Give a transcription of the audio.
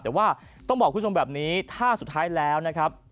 แต่ว่าต้องบอกคุณผู้ชมแบบนี้ถ้าสุดท้ายแล้วนะครับ